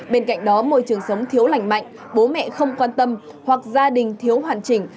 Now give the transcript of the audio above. bên cạnh đó môi trường sống thiếu lành mạnh bố mẹ không quan tâm hoặc gia đình thiếu hoàn chỉnh